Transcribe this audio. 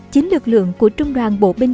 chính lực lượng của trung đoàn bộ binh